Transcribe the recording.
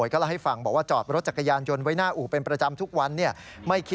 ค่ะใช่ไหมฮะใช่ค่ะ